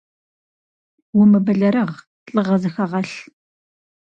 Умыбэлэрыгъ, лӏыгъэ зыхэгъэлъ!